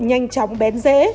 nhanh chóng bén dễ